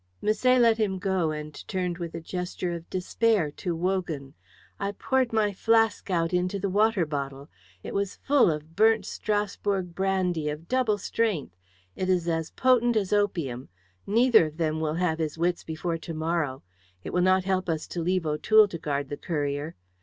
Misset let him go and turned with a gesture of despair to Wogan. "I poured my flask out into the water bottle. It was full of burnt Strasbourg brandy, of double strength. It is as potent as opium. Neither of them will have his wits before to morrow. It will not help us to leave O'Toole to guard the courier."